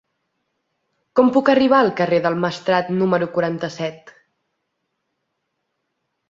Com puc arribar al carrer del Maestrat número quaranta-set?